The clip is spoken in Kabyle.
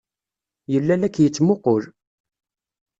Yella la k-yettmuqqul.